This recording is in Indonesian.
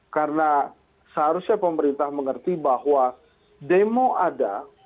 karena seharusnya pemerintah mengerti bahwa demo ada